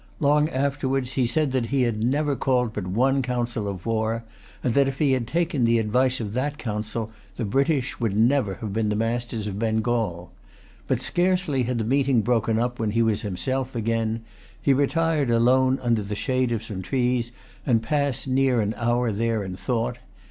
Long afterwards, he said that he had never called but one council of war, and that, if he had taken the advice of that council, the British would never have been masters of Bengal. But scarcely had the meeting broken up when he was himself again. He retired alone under the shade of some trees, and passed near an hour there in thought.